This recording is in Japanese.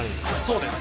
そうです。